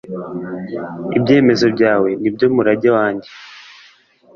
ibyemezo byawe ni byo murage wanjye